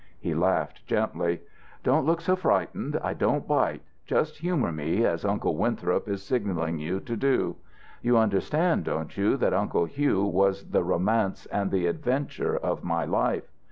He laughed gently. "Don't look so frightened. I don't bite. Just humour me, as Uncle Winthrop is signalling you to do. You understand, don't you, that Uncle Hugh was the romance and the adventure of my life?